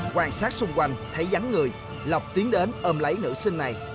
quan sát xung quanh thấy rắn người lọc tiến đến ôm lấy nữ sinh này